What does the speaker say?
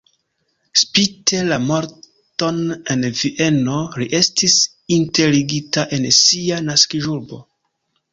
Spite la morton en Vieno li estis enterigita en sia naskiĝurbo.